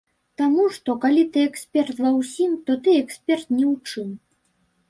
Таму што калі ты эксперт ва ўсім, то ты эксперт ні ў чым.